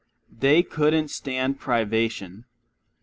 They couldn't stand privation.